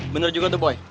bener juga tuh boy